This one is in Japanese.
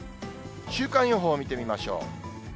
週間予報を見てみましょう。